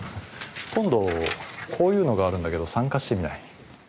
今度こういうのがあるんだけど参加してみない？